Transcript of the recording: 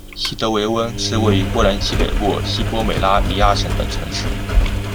希维德温是位于波兰西北部西波美拉尼亚省的城市。